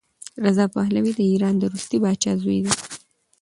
رضا پهلوي د ایران د وروستي پادشاه زوی دی.